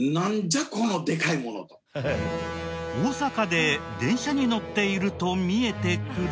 大阪で電車に乗っていると見えてくる。